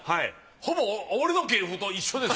ほぼ俺の芸風と一緒です。